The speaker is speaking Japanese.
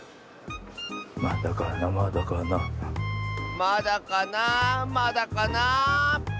まだかなまだかな。